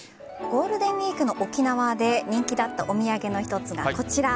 ゴールデンウイークの沖縄で人気だったお土産の一つがこちら。